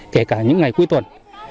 kể cả những ngày cuối tuần